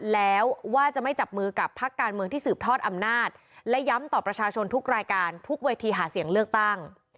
แล้วว่าจะไม่จับมือกับพักการเมืองที่สืบทอดอำนาจและย้ำต่อประชาชนทุกรายการทุกเวทีหาเสียงเลือกตั้ง